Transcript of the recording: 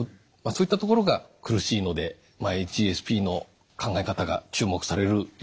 そういったところが苦しいのでＨＳＰの考え方が注目されるようになったんだと思います。